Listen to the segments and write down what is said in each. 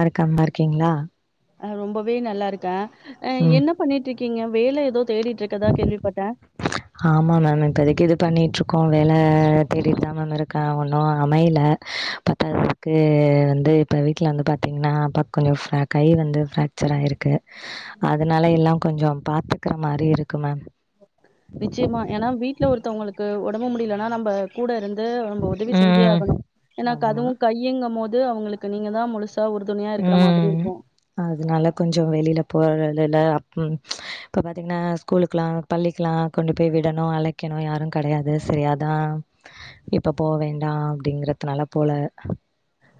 அருக்காம இருக்கீங்களா அ ரொம்பவே நல்லா இருக்கே அ ம். என்ன பண்ணிட்டு இருக்கீங்க வேல ஏதோ தேடிட்ருக்கதா கேள்வி பட்ட ஆமா மம் இப்பதைக்கு இது பண்ணிட்ருக்கோ வேல தேடிட்டு தா மம் இருக்க ஒன்னு அமையல பத்தாததுக்கு வந்து இப்போ வீட்ல வந்து பாத்தீங்கன்னா கொஞ்சோ ஃப்ர கை வந்து ஃப்ரக்சர் ஆயிருக்கு அதனால எல்லா கொஞ்சோ பாத்துக்குற மாரி இருக்கு மம் நிச்சயமா ஏனா வீட்ல ஒருத்தவங்களுக்கு ஒடம்பு முடியலன்னா நம்ப கூட இருந்து நம்ம உதவி செஞ்சே ம். ஆகணு ஏன்னா ஆமா. அதுவு கையிங்கு போது அவங்களுக்கு நீங்க தா முழுசு சா உறுதுணையா இருக்கிற மாதிரி ம். இருக்கு அதனால கொஞ்சோ வெளில போறது இல்ல அப் இப்ப பாத்தீங்கன்னா ஸ்கூலுக்குல்லா பள்ளிக்குல்லா கொண்டு போய் விடணு அழைக்கணு யாரு கெடையாது சரி அதா இப்ப போ வேண்டா அப்டிங்கறதுனால போல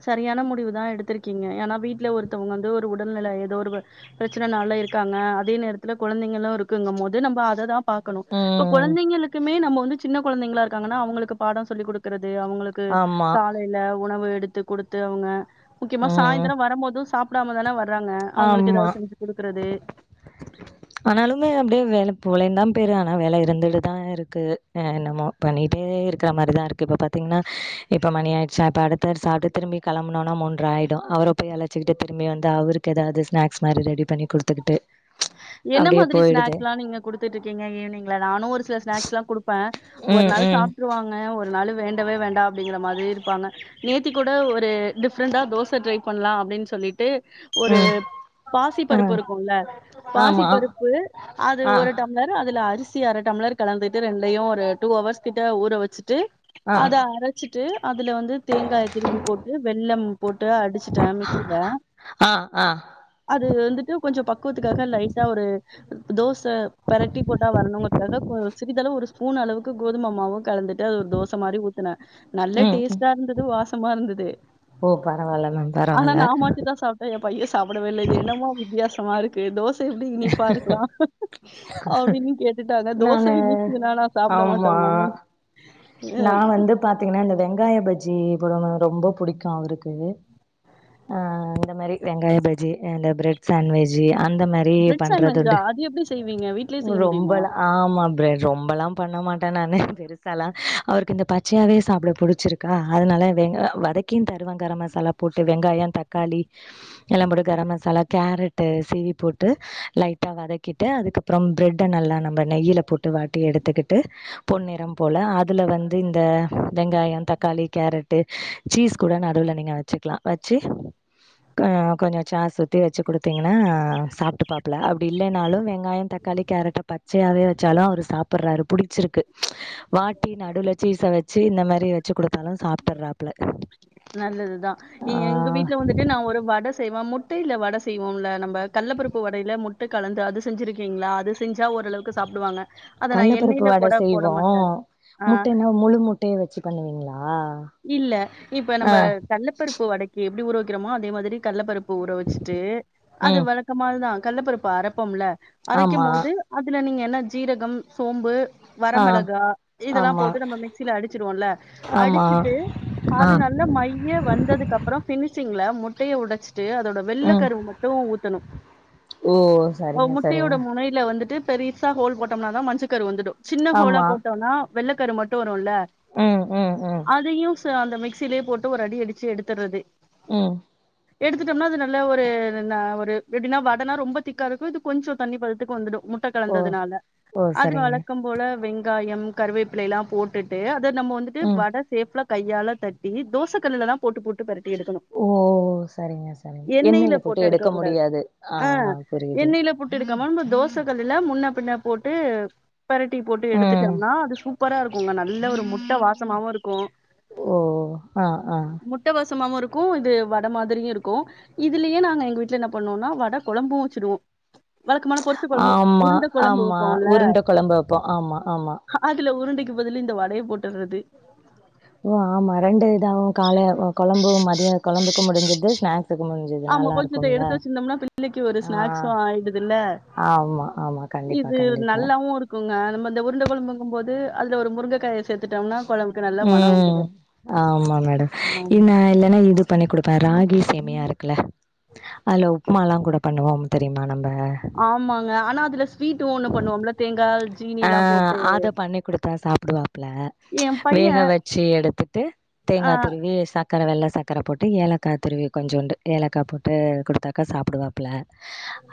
சரியான முடிவு தா எடுத்துருக்கீங்க ஏனா வீட்ல ஒருத்தவங்க வந்து ஒரு உடல்நில ஏதோ ஒரு பிரச்சன நால இருக்காங்க அதே நேரத்துல குழந்தைங்களல்லு இருக்குங்க போது நம்ம அததா பாக்கணு இப்ப ம் கொழந்தைங்களுக்குமே நம்ம வந்து சின்ன கொழந்தைங்களா இருக்காங்கன்னா அவங்களுக்கு பாடோ சொல்லிக் குடுக்குறது அவங்களுக் கு ஆமா காலைல உணவு எடுத்து குடுத்து அவங்க முக்கியமா ம் சாய்ந்திரோ வரம்போதும் சாப் டாமதான வர்றாங்க அவங்களுக்கு ஆமா ஏதாவது செஞ்சு குடுக்குறது ஆனாலுமே அப்டே வேல போலைந்தா பேரு ஆனா வேல இருந்துட்டு தா இருக்கு என்னமோ பண்ணிட்டே இருக்கிற மாரிதா இருக்கு இப்ப பாத்தீங்கன்னா இப்ப மணி ஆய்டுச்சா அப்ப அடுத்த சாப்ட்டு திரும்பி கெளம்புனோனே மூன்ற ஆய்டு அவர போய் அழச்சிக்கிட்டு திரும்பி வந்து அவருக்கு எதாது ஸ்நக்ஸ் மாரி ரெடி பண்ணி குடுத்துக்கிட்டு என்ன அப்டியே மாத்ரி போயிடுது ஸ்நக்ஸ்லா நீங்க குடுத்துட்டு இருக்கீங்க ஈவ்னிங்ல நானு ஒரு சில ஸ்நக்ஸ்லா குடுப்ப ஒரு ம் நாள் ம் சாப்ட்ருவாங்க ஒரு நாள் வேண்டவே வேண்டா அப்டிங்கிற மாரி இருப்பாங்க நேத்தி கூட ஒரு டிஃப்ரெண்டா தோச ட்ரை பண்லா அப்டின் சொல்லிட்டு ஒரு ம் பாசி ஆ பருப்பு இருக்குல்ல பாசி ஆமா பருப்பு அது ஆ ஒரு டப் டம்ளர் அதுல அரிசி அர டம்ளர் கலந்துட்டு ரெண்டையு ஒரு டூ அவர்ஸ் கிட்ட ஊற வச்சிட்டு ஆ அத அரச்சிட்டு அதுல வந்து தேங்காய திருவி போட்டு வெல்லம் போட்டு அடிச்சிட்ட மிக்சில ஆ ஆ அது வந்துட்டு கொஞ்சம் பக் கூத்துக்காக லைட்டா ஒரு தோச பெரட்டி போட்டா வரணுங்கறத்துக்காக சிறிதளவு ஒரு ஸ்பூன் அளவுக்கு கோதும மாவு கலந்துட்டு அது ஒரு தோச மாரி ஊத்ன நல்ல ம் ம் டேஸ்ட்டா இருந்தது வாசமா இருந்தது ஓ பரவால்ல மேம் ஆனா பரவால்ல நாமட்டு தா சாப் ஏ பைய சாப்டவே இல்ல இது என்னம்மா வித்தியாசமா இருக்கு தோச எப்டி இனிப்பா இருக்கலா அப்டின்னு கேட்டுட்டாங்க தோச நானு இனிக்குதுனா நா சாப்ட மாட்ட ஆமா மம்மி நா வந்து பாத்தீங்னா இந்த வெங்காய பஜ்ஜி போடமா ரொம்ப புடிக்கு அவருக்கு அ இந்த மாரி வெங்காய பஜ்ஜி அ அந்த பிரெட் சன்வெஜி அந்த மா ரி பிரெட் சாண்ட்விச்சா? பண்றதுண்டு அது எப்படி செய்வீங்க? வீட்லயே உங்க செய்ய முடியுமா? ரொம்பல்லா ஆமா பிரண்ட் ரொம்பல்லாம் பண்ண மாட்ட நானு பெருசாலா அவருக்கு இந்த பச்சையாவவே சாப்ட பிடிச்சிருக்கா அதனால வெங்கா வதக்கியு தருவ கரம் மசாலா போட்டு வெங்காயோ தக் காளி எல்லா போட்டு கரம் மசாலா கேரட்டு் சீவி போட்டு லைட்டா வதக்கிட்டு அதுக்கப்புறம் பிரெட்ட நல்லா நம்ம நெயில்ல போட் டு வாட்டி எடுத்துக்கிட்டு பொன் நிறம் போல அ துல வந்து இந்த வெங்காயோ தக்காளி கேரட்டு சீஸ் கூட நடுல நீங்கள் வச் வச்சிக்கிலா வச்சி க கொஞ்சோ சாஸ் ஊத்தி வச்சி குடுத்தீங்னா சாப்டுபாப்புல அப்டி இல்லனாலு வெங்காயோ தக் தக்காளி கேரட் பச்சையாவே வச்சாலு அவரு சாப்புறாரு பிடிச்சிருக்கு வாட் டி நடுல சீஸ்ச வச்சி இந்த மாரி வச்சி குடுத்தாலு சாப்டறாப்புல நல்லதுதா எங்க வீட்ல வந்துட்டு நா ஒரு வட செய்வ முட்டேல வட செய்வோம்ல நம்பக் கல்லப்பருப்பு வடையில முட்டு கலந்து அது செஞ்சிருக்கீங்ளா அது செஞ்சா ஓரளவுக்கு சாப்டுவாங்க கல்லப்பருப்பு வட செய்வோ ஆ முட்டன்ன முழு முட்டைய வச்சி பண்ணுவீங்ளா இல்ல இப்ப நம்ம கல்லப்பருப்பு வடை கி எப்டி உற வக்கிறோமோ அதே மாதிரி கல்லப்பருப்பு உற வச்சிட்டு அது ம் வழ க்கமால்தா கல்லப்பருப்பு அரைப்போம்ல ஆமா அரைக்கம் போது அதுல நீங்க என்ன ஜீரகம் சோம்பு ஆ வரமிளகா இதெல்லா ஆமா போட்டு நம்ம மிக்சில அடிச்சிடுவோம்ல ஆமா அடிச்சிட் டு ஆ அது நல்ல மைய வந்ததுக்கு அப்ரோ பினிஷிங்ல முட்டைய உடைச்சிட்டு அதோடப் வெள்ள ம் கருவு மட்டு ஊத்தணு ஓ ஓவ் சரிங்க சரிங்க முட்டையோட முனை ல வந்துட்டு பெருசா ஹோல் போட்டோம்னா தா மஞ்ச கரு வந்துடு சின்ன ஹோலா ஆமா போட்டோனா வெள்ளக்கரு மட்டு வருல்ல ம் ம் ம் அதையு ச அந்த மிக்சிலேயே போட்டு ஒரு அடி அடிச்சி எடுத்துறது ம் [unintelligible] எடுத்துட்டோம்னா அது நல்ல ஒரு என்னன்னா ஒரு எப்டின்னா வடனா ரொம்ப திக்கா இருக்கு இது கொஞ்ச தண்ணி பதத்துக்கு வந்துடு முட் முட்ட ஓ கலந்ததுனால ஓ சரிங்க அதுகால கம் போல வெங்காயம் கருவேப்பிலை எல்லா போட்டுட்டு அத நம்ம வந்துட்டு ம் வட சேப்லா கையால தட்டி தோச கல்லுல தா ஓ சேரிங்க சேரிங்க எண்ணெல போட்டு எடுக்க முடியாது ஆ புரியுது பிடிக்கமா நம்போ தோசைகள்ல்ல முன்ன பின்ன போட்டு பெரட்டி போட்டு ம் எடுத்துட்டோம்னா அது சூப் பரா இருக்குங்க நல்ல ஒரு முட்ட வாசமாவு இருக்கு ஓ ஆ ஆ முட்ட வசமாவு இருக்கு இது வட மாதிரியு இருக்கு இதுலயே நாங்க எங்க வீட்ல என்ன பண்ணுவோனா வட கொழம்பு வச்சிடுவோ வழக்கமான பொறிச்ச குழம்பு ஆமா உருண்ட குழம்பு ஆமா வைப்போல உருண்ட கொழம்பு வப்போ ஆமா ஆமா ஹா அதுல உருண்டைக்கு பதில் இந்த வடைய போட்டுறது ஓ ஆமா ரெண்டு இதாவும் கால குழம்பு மதியம் கொழம்புக்கும் முடிஞ்சிது ஸ்னாக்ஸ் த்துக்கு முடிஞ்சுது ஆமா நல்லா கொஞ்சத்த இருக்கும்ல எடுத்து வச்சிருந்தோம்னா பிள்ளைக்கு ஒரு ஆ ஸ்நாக்ஸு ஆயிடுதுல்ல ஆமா ஆமா கண்டிப்பா கண்டிப்பா குங்க நம்ம இந்த உருண்ட குழம்புங்கும்போது அதுல ஒரு முருங்க காய சேத்துட்டோம்னா குழம்புக்கு நல்ல மனம் ம் வந்துடும் ஆமா மேடம் இ நான் இல்லனா இது பண்ணி குடுப்பேன் ராகி ஆமா சேமியா இருக்குல அதுல உப்புமா எல்லாம் கூட பண்ணுவோம் தெரியுமா நம்ப ஆமாங்க ஆனா அதுல ஸ்வீட்டும் ஒண்ணு பண்ணுவோம்ல தேங்கா ஜீனி எல்லாம் போட்டு சாப்பிடுவாப்ல என் வேக பையன் வச்சு எடுத்துட்டு அ தேங்காய் திருவி ஏ சர்க்கர வெள்ளை சக்கர போட்டு ஏலக்கா திருவி கொஞ்சோண்டு ஏலக்கா போட்டு கொடுத்தாக்கா சாப்பிடுவா ப்புல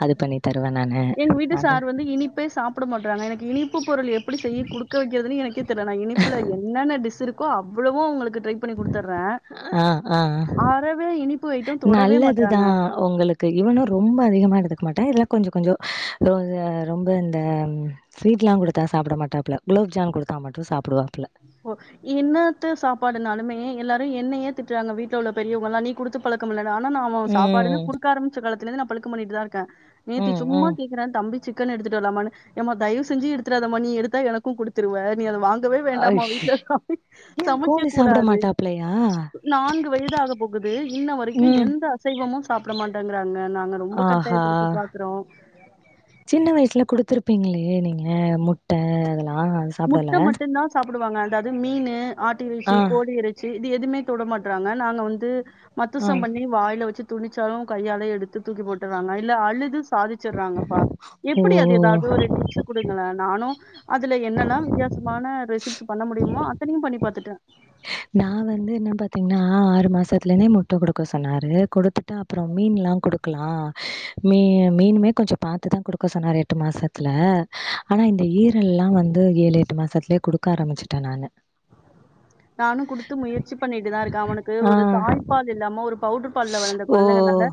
அது பண்ணி தருவேன் எங்க வீட்டு நானு சார் வந்து இனிப்பே சாப் ப்ட மாட்டுறாங்க எனக்கு இனிப்பு பொருள் எப்படி செய்ய குடுக்க வைக்கிறதுனு எனக்கே தெர்ல நா இனிப்பல என்னென்ன டிஸ் இருக் கோ அவ்வளவு உங்களுக்கு ட்ரை பண்ணி கொடுத்தறேன் ஆஹ் ஆஹ் அறவே இனிப்பு ஐட்டம் தொடவே மாட்றாங்க தான் உங்களுக்கு இவனும் ரொம்ப அதிகமாக எடுத்துக்க மாட்டேன் இல்ல கொஞ்சம் கொஞ்சம் ரொம்ப இந்த ஸ்வீட்லாம் குடுத்தா சாப்பட மாட்டாப்புல குலப்ஜாம் குடுத்தா சாப்படுவாப்புல ஓ இன்னத்த சாப்பாடுனாலுமே எல்லாரும் என்ன ஏன் திட்டுறாங்க வீட்டுல உள்ள பெரியவங்கல்லாம் நீ குடுத்து பழக்கமில்லானு ஆனா நான் அவ சாப்பாடுன்னு ம். குடுக்க ஆம்பிச்ச காலத்துலேந்து நான் பழுக்கம் பண்ணிட்டு தான் இருக்கேன் நேத்தி ம். சும்மா ம். கேக்குறான் தம்பி சிக் க்கனு எடுத்துட்டு வரலாமானு தயவு செஞ்சு எடுத்துராதம்மா நீ எடுத்த எனக்கும் கொடுத்துருவ நீ அதை வாங்கவே தாம ஐஷ்! வீட்டுல சமை ஏன் சமைக்க கோழி சாப்பிட கூடாது மாட்டாப்லயா? நான்கு வயதாக போகுது இன்ன வரைக்கும் ம். எந்த அ சைவமும் சாப்பிட மாட்டேங்கிறாங்க நாங்க ரொம்ப ஆஹா! கட்டாயப்படுத்தி பாக்குறோம் சின்ன வயசுல குடுத்துருப்பீங்ளே நீங்க முட்டை அதெல்லாம் சாப்பிடல? முட்டை மட்டும் தான் சாப்பிடுவாங்க அதாவது மீனு ஆட்டு இறைச்சி ஆ. கோழி இறை சி இது எதுவுமே தொட மாட்டறாங்க நாங்க வந்து ஆ. மத்தசம் பண்ணி வாயில வச்சு துணிச்சாலும் கையால எடுத்து தூக்கி போட்டுறாங்க இல்ல அழுது சாதிச்சிறாங்கப்பா எப்படி அது ஓ! ஏதாவது ஒரு டிப்ஸ் கொடுங்களே நானும் அதுல நா வித்தியாசமான ரெசிப்ஸ் பண்ண முடியுமோ அத்தனையும் பண்ணி பாத்துட்டேன் நான் வந்து என்ன பாத்தீங்கன்னா ஆறு மாசத்துல இருந்தே முட்டை கொடுக்க சொன்னாரு கொடுத்து டு அப்புறம் மீன்லாம் குடுக்கலாம் மீ மீனுமே கொஞ்சம் பாத்துதான் கொடுக்க சொன்னாரு எட்டு மாசத் துல ஆனா இந்த ஈரல் லாம் வந்து ஏழு எட்டு மாசத்துலே குடுக்க ஆரம்பிச்சுட்டேன் நானு நானும் குடுத்து முயற்சி பண்ணிட்டு தான் இருக்கேன் அவனுக்கு ஆ. ஒரு தாய்ப்பால் இல்லாம ஒரு பவுடர் பால்ல வளந்த ஓ! குழந்தை நால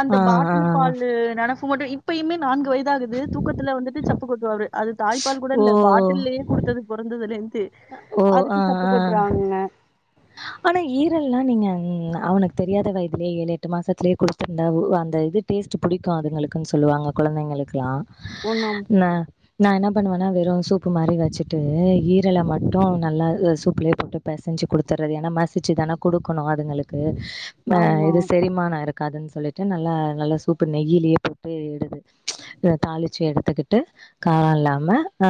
அந்த ஆ, ஆ. பாட்டில் பாலு நனப்பு மட்டும் இப்பயுமே நான்கு வயது தாகுது தூக்கத்துல வந்துட்டு சப்பு கொட்டுவாரு அது தாய்ப்பால் கூட ஓ! இல்ல பாட்டில்லேயே கொடுத்தது பொறந்ததுலேந்து ஓ ஆஹ் ஆஹ் ஞ ஆனா ஈரல்லாம் நீங்க அவனுக்கு தெரியாத வயதுலயே ஏழு எட்டு மாசத்துலயே குடுத்து அந்த ஒ அந்த இது டேஸ்ட் பிடிக்கும் அதுங்களுக்குன்னு சொல்லுவாங்க குழந்தைங்களுக்கெல்லாம் ஒன்னும் ந நான் என்ன பண்ணுவேன்னா வெறும் சூப்பு மாதிரி வச்சுட்டு ஈரலை மட்டும் நல்லா சூப்புலயே போட்டு பிசைஞ்சு கொடுத்து த்தரது ஏன்னா மசிச்சு தானா குடுக்கணு அதுங்களுக்கு ஆமா இது செரிமான இருக் காதுன் சொல்லிட்டு நல்லா நல்ல சூப்பர் நெயிலியே போட்டு எடுத்து தாளிச்சு எடுத்துக்கிட்டு கார இல்லாம ஆ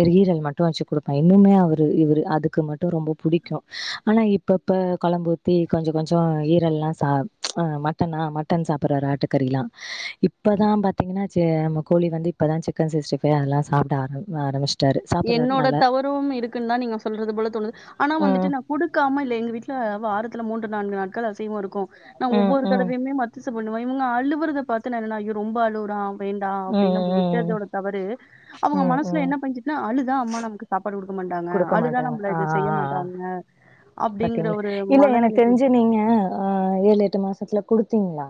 ஒரு ஈரல் மட்டு வச்சு குடுப்பே இன்னுமே அவரு இவுரு அதுக்கு மட்டு ரொம்ப புடி க்கு ஆனா இப்பப்ப கொழம்பூத்தி கொஞ்ச கொஞ்ஜசோ ஈரல்ல்லா சாப் ஆ மட் டன்னா மாட்டன் சாப்பற்றாரு ஆட்டுக்கறில்லா இப்பதா பாத்தீங்கன்னா செம நம்ம கோழி வந்து இப்பதா சிக்கன் சிக்ஸ்டி பை அதல்லா சாப்ட ஆர ஆரம்பிச் என்னோட தவறும் இருக்குன் தா நீங்க சொல்றது போல தோணுது ஆனா ம். வந்துட்டு நா குடுக்காம இல்ல எங்க வீட்ல வாரத்துல மூன்று நான்கு நாட்கள் அசைவோ இருக் நா ம். ஒவ்வொரு ம். தடவையுமே மத்திசு பண்ணுவ இவங்க அழுவுறத பாத்து நா என்னனா ஐயோ ரொம்ப அழுவுறா வேண்டா ம். அப்டின் நம்ப ம். விட்டதோட தவறு அவுங்க ம். மனசுல ம். என்ன பஞ்சி அழுதா அம்மா நமக்கு சாப்பாடு குடுக்க மாட்டாங்க குடுக்க அழுதா மாட்டாங்க. நம்மள எது செய்ய மாட்டாங்க அப்டிங்கிற பாத்தீங்ள ஒரு இல்ல எனக் மனநிலைக்கு தெஞ்சு நீங்க அ ஏழு எட்டு மாசத்துல குடுத்தீங்ளா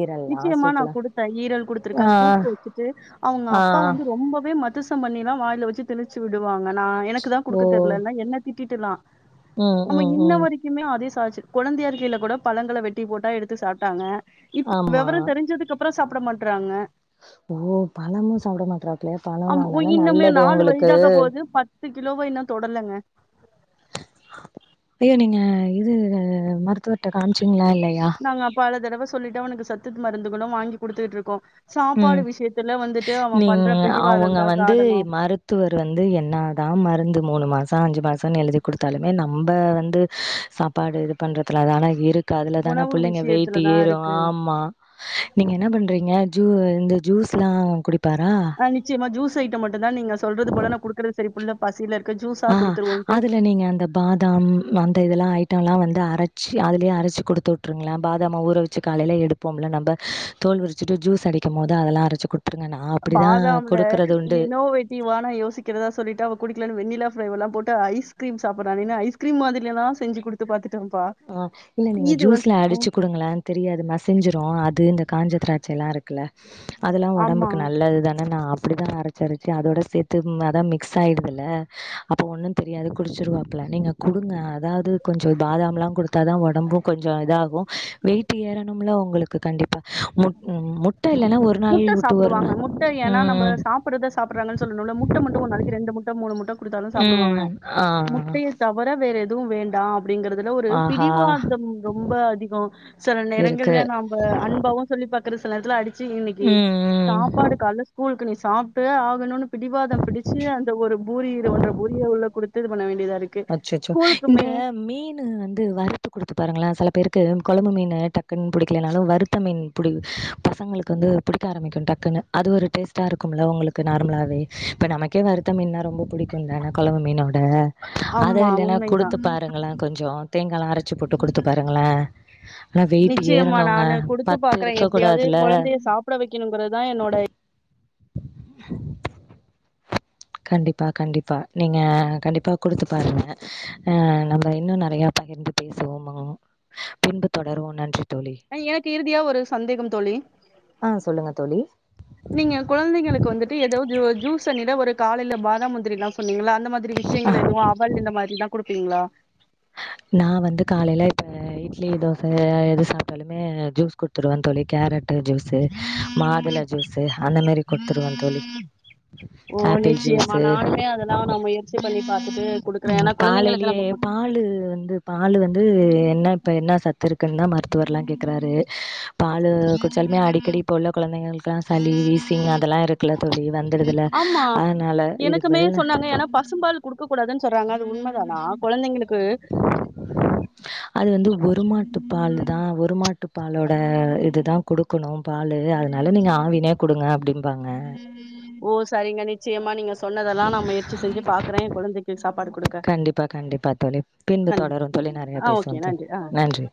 ஈரல் நிச்சயமா நா குடுத்த ஈரல் குடுத்துருக்க சூப்பு ஆ. வச்சுட்டு அவுங்க ஆ அப்பா வந்து ரொம்பவே ம த்திசம் பண்ணில்லா வாயில வச்சி தினிச்சி உடுவாங்க நா எனக்கு தா ஓ குடுக்க தெர்லல்னு என்னத் திட்டிட்டுலா ம் அவ ம் இன்ன ம் வரைக் குமே அதே சாச்சு கொழந்தையா இருக்கையில கூட பழங்கள வெட்டி போட்டா எடுத்து சாப்ட்டாங்க இப்ப ஆமா வெவரோ தெரிஞ்சதுக் அப்பறோ சாப்ட மாட்றாங்க ஓ பழமு சாப்ட மாட்றா பில்லையா பழல்லா ஆமா தான இன்னுமே நல்லது நாலு ஒங்களுக்கு வயதாக போது பத்து கிலோவ இன்னு தொடலங்க ப்பியே நீங்க இது மருத்துவர்ட்ட காம்ச்சீங்ளா இல்லையா நாங்க பல தடவ சொல்லிட்டோ அவனுக்கு சத்து மருந்துகளு வாங்கி குடுத்துக்கிட்ருக்கோ சாப்பாடு ம் விஷ்யத்துல வந்துட்டு அவ பண்ற பிடிவாதோந்தா காடணோ த்துவர் வந்து என்னாதா மருந்து மூனு மாச அஞ்சு மாசன்னு எழுதி குடுத்தாலுமே நம்ப வந்து சாப் பாடு இது பண்றதுல தான இருக்கு அதுல தான உணவு புள்ளைங்க வெயிட்டு விஷயத்துலதா ஏறு இருக்கு ஆம்மா நீங்க என்ன பண்றீங்க ஜு இந்த ஜூஸ்ல்லா குடிப்பாரா ஆ நிச்சயமா ஜூஸ் ஐட்டம் மட்டுந்தா நீங்க சொல்றது போல நா குடுக்குறது சரி புள்ள பசியில இருக்கு ஜூஸா ஆஹா. குடுத்துருவோன்ட்டு அதுல நீங்க அந்த பாதாம் அந்த இதல்லா ஐட்டோல்லா வந்து அரச்சு அதுலேயே அரச்சி குடுத்து உட்ருங்ளே பாதாம்ம ஊற வெச்சு காலையில எடு போம்ல நம்ப தோல் உறிச்சிட்டு ஜூஸ் அடிக்கும் போது அதெல்லா அரச்சு குடு த்துருங்க நா அப்டிதா குடுக்குறது உண்டு நீ வா நா யோசிக்கிறதா சொல்லிட்டு அவ குடிக்கலனு வெண்ணிலா ஃபிளேவர்ல்லா போட்டு ஐஸ்கிரீம் சாப்புறான்னேன்னு ஐஸ்கிரீம் மாதிரியெல்லா செஞ்சு குடுத் து பாத்துட்டோம்ப்பா அ இல்ல நீங்க இது வந்து ஜூஸ்ல ம் அடிச்சு குடுங்களே தெரியாது மசிஞ்சிரு அது இந்த காஞ்ச திராட்சையெல்லா இருக் குல்ல அதெல்லா ஆமா ஒடம்புக்கு நல்லது தான நா அப்டிதா அர ச்சு அரச்சு அதோட சேத்து ம் அதா மிக்ஸ் ஆயிடுதுல அப்ப ஒன்னு தெரியாது குடிச்சிருவாப்புல நீங்க குடுங்க அதாவது கொஞ்சோ பாதாம்லா குடுத்தாதா ஒடம்பு கொஞ்சோ இதாகு வெயிட்டு ஏறணும்ல உங்களுக்கு கண்டிப்பா முட் ம் முட் முட்ட சாப்டுவாங்க முட்ட ஏன்னா நம்ப ம் சாப்பறத சாப்புறாங்கன் சொல்லனோல முட் ட மட்டு ஒர் நாளைக்கு ரெண்டு முட்ட மூனு முட்ட குடுத்தாலு சாப்டுவாங்க ம் ஆ முட்டயத் தவர வேற எதுவு வேண்டா அப்டிங்கறதுல ஒரு ஆஹா பிடிவாதம் ரொம்ப அதிகோ செல இருக்கு நேரங்கள்ல ந ம்ப அன்பாவு சொல்லி பாக்கறது சில நேரத்துல அடிச்சி இன்னிக்கி ம் ம் சாப்பாடு கால்ல கூல்க்கு நீ சாப்ட்டே ஆகணுன்னு பிடிவாதம் பிடிச்சி இந்த ஒரு பூரி இது ஒன்ற பூரிய உள்ள குடுத்து இது பண்ண வேண்டியதா இருக் அச்சச்சோ இந்த மீன் வந்து வறுத்து குடுத்து பாருங்கள செல பேருக்கு கொழம்பு மீனு டக்குன்னு புடிக்கலனாலு வறுத்த மீன் புடி பசங்களுக்கு வந்து புடிக்க ஆரம்பிக்கோ டக்குன்னு அது ஒரு டேஸ்ட்டா இருக்கும்ல உங்களுக்கு நார்மலாவே இப்ப நமக்கே வறுத்த மீன்னா ரொம்ப புடிக்குந்தான கொழம்பு மீனோட அத ஆமா இல்லன்னா உண்மைதான். குடுத்து பாருங்கள கொஞ்சோ தேங்கால்லா அரச்சு போட்டு குடுத்து பாருங்கள ஆனா வெயிட்டு நிச்சயமா ஏறனுங்க நானு குடுத்து பத்து பாக்குறேன். இருக்க எப்படியாவது கூடாதுல குழந்தைய சாப்பிட வைக்கணுங்கிறது தான் என்னோட கண்டிப்பா கண்டிப்பா நீங்க கண்டிப்பா குடுத்து பாருங்க அ நம்ம இன்னோ நெறைய பகிர்ந்து பேசுவோமோ பின்பு தொடருவோ நன்றி தோழி. எனக்கு இறுதியா ஒரு சந்தேகம் தோழி ஆ சொல்லுங்க தோழி. நீங்க கொழந்தைங்களுக்கு வந்துட்டு ஏதோ தோ ஜூஸ் தண்ணில ஒரு காலையில பாதாம் முந்திரிலா சொன்னீங்கள அந்த மாதிரி வி ஷயங்கள் எதுவு அவல் இந்த மாரி தா குடுப்பீங்ளா நா வந்து காலையில இப்ப இட்லி தோச எது சாப்ட்டாலுமே ஜூஸ் குடுத்துருவ தோழி கேரட்டு ஜூஸ் மாதுள ஜூஸு அந்த மாரி குடுத்துருவ தோழி ஓ ஆப்பிள் நிச்சயமா ஜூஸு நானுமே அதுதா நா முயர்ச்சி பண்ணி பாத்துட்டு குடுக்குறே உம் ஏன்னா குழந்தைங்களுக்கு காலேயிலயே நம்ம குடு பாலு வந்து பாலு வந்து என்ன இப்ப என்ன சத் துஇருக்குன்னா மருத்துவர் எல்லா கேக்குறாரு பாலு குடிச்சாலுமே அடிக்கடி இப்ப உள்ள குழந்தைங்களுக்கு ல்லா சளி வீசிங் அதெல்லா இருக்குல தோழி வந்துடுதுல ஆமா அதனால இதுக்கு எனக்குமே பதில் சொன்னாங்க ஏன்னா பசும்பால் கொடுக்க கூடாதுன்னு சொல்றாங்க அது உண்மதானா குழந்தைங்களுக்கு அது வந்து ஒருமாட்டு பால் தா ஒரு மாட்டு பாலோட இதுதா குடுக் னோ பாலு அதனால நீங்க ஆவினே குடுங்க அப்படிம்பாங்க ஓ சரிங்க நிச்சயமா நீங்க சொன்னதெல்லா நா முயற்ச்சி செஞ்சு பாக்குறே குழந்தைக்கு சாப்பாடு குடுக்க கண்டிப்பா கண்டிப்பா தோழி பின்பு கண்டிப்பா தொடரும் தோழி நன்றி நறைய ஆ பேசுவோ ஓகே தோழி நன்றி ஆ நன்றி